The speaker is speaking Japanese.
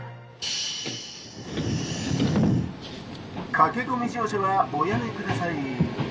「駆け込み乗車はおやめください」。